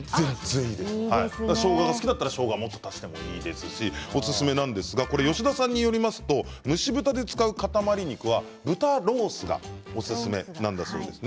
しょうがが好きだったらしょうがをもっと足してもいいですし、おすすめなんですが吉田さんによりますと蒸し豚で使うかたまり肉は豚ロースがおすすめなんだそうです。